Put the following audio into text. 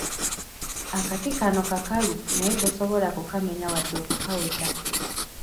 Akati kano kakalu naye tosobola kukamenya wadde okukaweta.